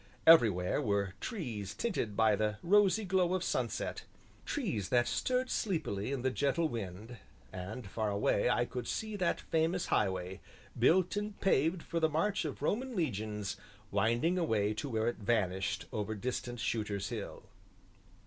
Everywhere were trees tinted by the rosy glow of sunset, trees that stirred sleepily in the gentle wind, and far away I could see that famous highway, built and paved for the march of Roman Legions, winding away to where it vanished over distant Shooter's Hill.